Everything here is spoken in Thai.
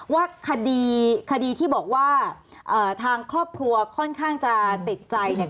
ว่าคดีคดีที่บอกว่าทางครอบครัวค่อนข้างจะติดใจเนี่ย